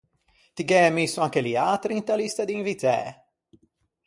Ti gh’æ misso anche liatri inta lista di invitæ?